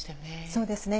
そうですね。